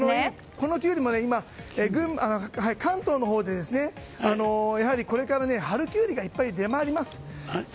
このキュウリも今関東のほうでやはりこれから春キュウリがいっぱい出回ります。